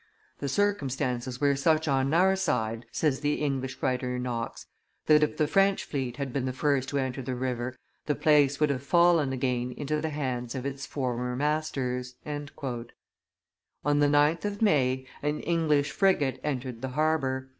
"The circumstances were such on our side," says the English writer Knox, "that if the French fleet had been the first to enter the river, the place would have fallen again into the hands of its former masters." On the 9th of May, an English frigate entered the harbor.